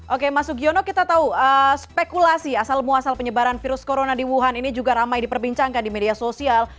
oke mas sugiono kita tahu spekulasi asal muasal penyebaran virus corona di wuhan ini juga ramai diperbincangkan di media sosial